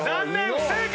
不正解。